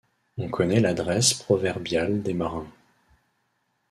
On connaît l’adresse proverbiale des marins.